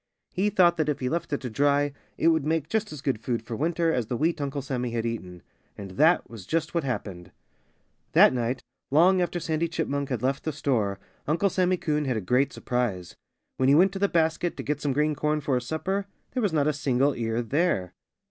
He thought that if he left it to dry it would make just as good food for winter as the wheat Uncle Sammy had eaten. And that was just what happened. That night, long after Sandy Chipmunk had left the store, Uncle Sammy Coon had a great surprise. When he went to the basket, to get some green corn for his supper, there was not a single ear there.